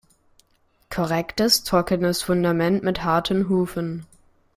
Korrektes, trockenes Fundament mit harten Hufen.